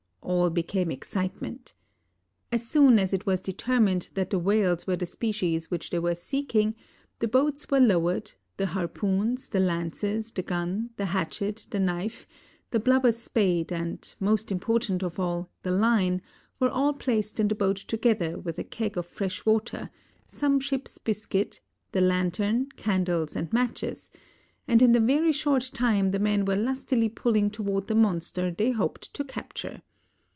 all became excitement. As soon as it was determined that the whales were the species which they were seeking, the boats were lowered, the harpoons, the lances, the gun, the hatchet, the knife, the blubber spade, and, most important of all, the line, were all placed in the boat together with a keg of fresh water, some ship's biscuit, the lantern, candles and matches; and in a very short time the men were lustily pulling toward the monster they hoped to capture.